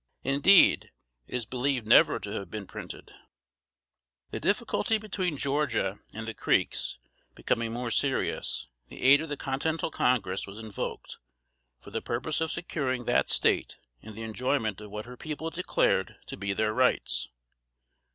Indeed, it is believed never to have been printed. [Sidenote: 1785.] The difficulty between Georgia and the Creeks becoming more serious, the aid of the Continental Congress was invoked, for the purpose of securing that State in the enjoyment of what her people declared to be their rights.